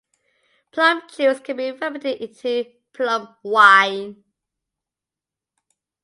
Plum juice can be fermented into plum wine.